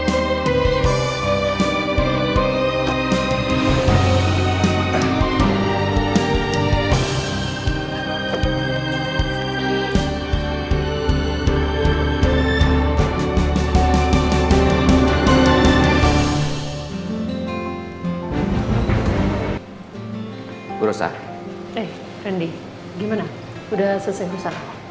udah selesai perusahaan